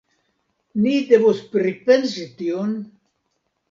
Ni devos pripensi tion?